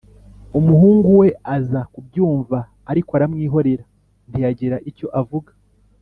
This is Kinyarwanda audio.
Umuhungu we aza kubyumva, ariko aramwihorera ntiyagira icyo avuga.